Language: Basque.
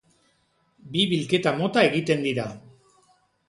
Bi bilketa mota egiten dira.